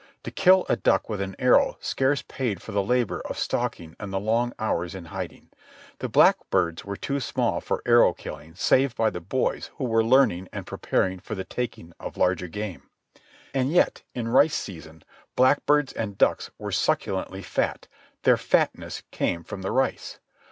To kill a duck with an arrow scarce paid for the labour of stalking and the long hours in hiding. The blackbirds were too small for arrow killing save by the boys who were learning and preparing for the taking of larger game. And yet, in rice season, blackbirds and ducks were succulently fat. Their fatness came from the rice.